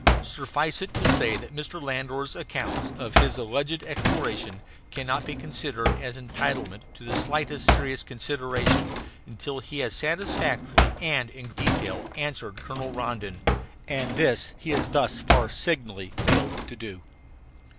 Suffice it to say that Mr. Landor's accounts of his alleged exploration cannot be considered as entitled to the slightest serious consideration until he has satisfactorily and in detail answered Colonel Rondon; and this he has thus far signally failed to do.